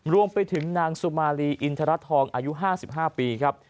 รวมไปถึงนางสุมาลีอินทรทองอายุ๕๕ปีครับ